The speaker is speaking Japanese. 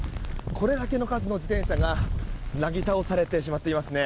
これだけの数の自転車がなぎ倒されてしまっています。